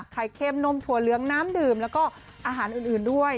ไข่เค็มนมถั่วเหลืองน้ำดื่มแล้วก็อาหารอื่นด้วย